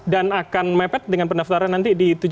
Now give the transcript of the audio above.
dan akan mepet dengan pendaftaran nanti di tujuh belas